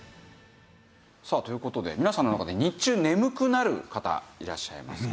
さあという事で皆さんの中で日中眠くなる方いらっしゃいますか？